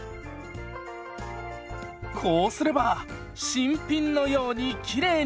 こうすれば新品のようにきれいに！